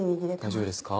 大丈夫ですか？